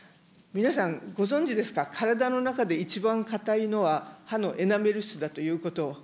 皆さん、ご存じですか、体の中で一番硬いのは、歯のエナメル質だということを。